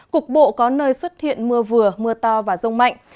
cục bộ có nơi xuất hiện mưa vừa mưa to và rông mạnh